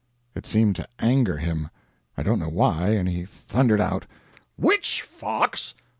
"It seemed to anger him. I don't know why; and he thundered out: "'WHICH fox?